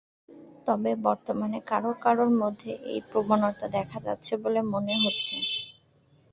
তবে বর্তমানে কারও কারও মধ্যে এই প্রবণতা দেখা যাচ্ছে বলে মনে হচ্ছে।